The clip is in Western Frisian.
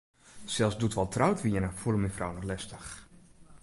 Sels doe't wy al troud wiene, foel er myn frou noch lestich.